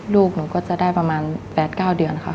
ลูกหนูก็จะได้ประมาณ๘๙เดือนค่ะ